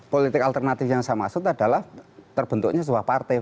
politik alternatif yang saya maksud adalah terbentuknya sebuah partai